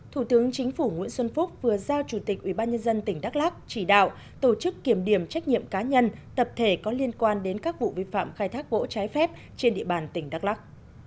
thủ tướng chính phủ nguyễn xuân phúc vừa giao chủ tịch ubnd tỉnh đắk lắc chỉ đạo tổ chức kiểm điểm trách nhiệm cá nhân tập thể có liên quan đến các vụ vi phạm khai thác gỗ trái phép trên địa bàn tỉnh đắk lắc